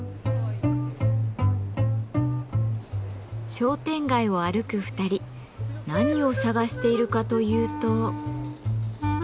商店街を歩く２人何を探しているかというと。